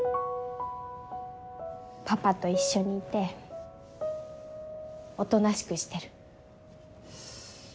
パパと一緒にいておとなしくしてる。